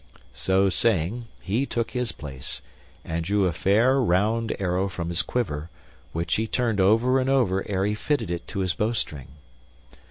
So saying, he took his place, and drew a fair, round arrow from his quiver, which he turned over and over ere he fitted it to his bowstring.